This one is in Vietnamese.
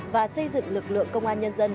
và xây dựng lực lượng công an nhân dân